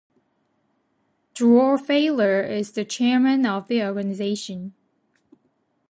Dror Feiler is the chairman of the organization.